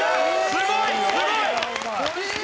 すごいすごい！きた！